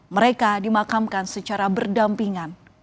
mereka dimakamkan secara berdampingan